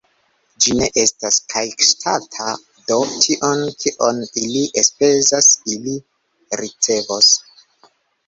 Ĝi ne estas Kickstarter do tion, kion ili enspezas, ili ricevos